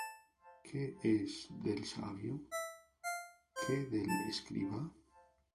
¿Qué es del sabio? ¿qué del escriba?